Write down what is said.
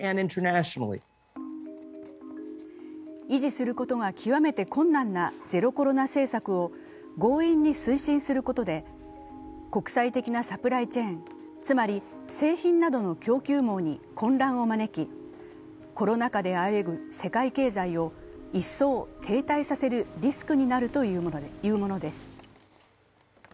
維持することが極めて困難なゼロコロナ政策を強引に推進することで国際的なサプライチェーン、つまり製品などの供給網に混乱を招き、コロナ禍であえぐ世界経済を一層停滞させるリスクになるというのです。